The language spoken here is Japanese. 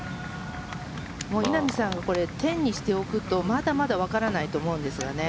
稲見さんは１０にしておくとまだまだわからないと思うんですよね。